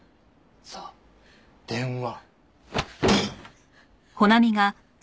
さあ電話。